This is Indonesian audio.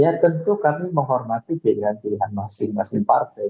ya tentu kami menghormati pilihan pilihan masing masing partai